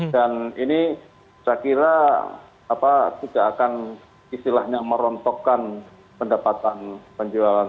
dan ini saya kira tidak akan istilahnya merontokkan pendapatan penjualan ketengan